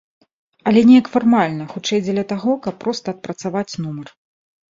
Але неяк фармальна, хутчэй, дзеля таго, каб проста адпрацаваць нумар.